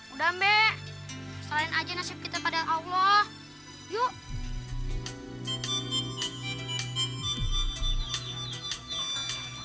udah mbek setelahin aja nasib kita pada allah yuk